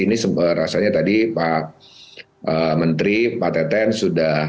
ini rasanya tadi pak menteri pak teten sudah